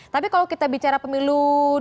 tapi kalau kita bicara pemilu dua ribu dua puluh empat